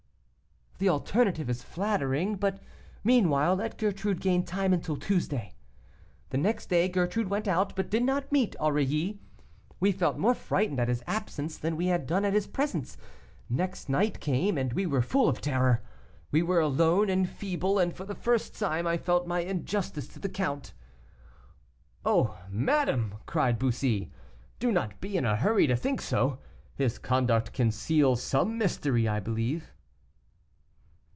'The alternative is flattering. But, meanwhile, let Gertrude gain time until Tuesday.' The next day Gertrude went out, but did not meet Aurilly. We felt more frightened at his absence than we had done at his presence. Night came, and we were full of terror. We were alone and feeble, and for the first time I felt my injustice to the count." "Oh! madame!" cried Bussy, "do not be in a hurry to think so, his conduct conceals some mystery, I believe."